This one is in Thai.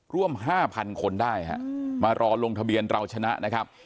ร่วม๕๐๐๐คนได้ฮะมารอลงทะเบียนเราชนะนะครับ